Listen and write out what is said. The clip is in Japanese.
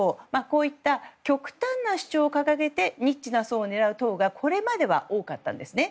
こういった極端な主張を掲げてニッチな層を狙う党がこれまでは多かったんですね。